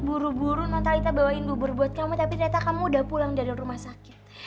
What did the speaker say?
buru buru non talita bawain bubur buat kamu tapi ternyata kamu udah pulang dari rumah sakit